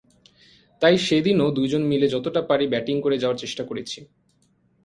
তাই সেদিনও দুজন মিলে যতটা পারি ব্যাটিং করে যাওয়ার চেষ্টা করেছি।